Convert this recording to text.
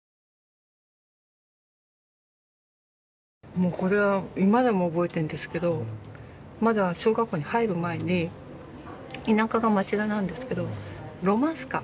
もうこれは今でも覚えてんですけどまだ小学校に入る前に田舎が町田なんですけどロマンスカー